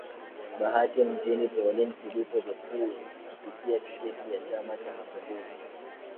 Babati Mjini Pauline Philipo Gekul kupitia tiketi ya Chama cha mapinduzi